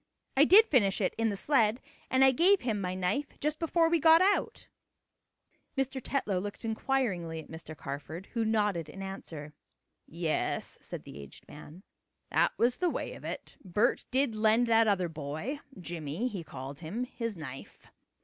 I did finish it in the sled and I gave him my knife just before we got out." Mr. Tetlow looked inquiringly at Mr. Carford, who nodded in answer. "Yes," said the aged man, "that was the way of it. Bert did lend that other boy Jimmie he called him his knife.